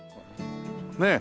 ねえ